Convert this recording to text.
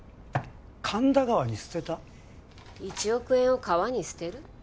神田川に捨てた１億円を川に捨てる？